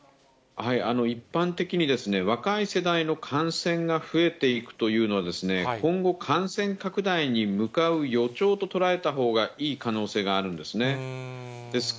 一般的に若い世代の感染が増えていくというのは、今後、感染拡大に向かう予兆と捉えたほうがいい可能性があるんですね。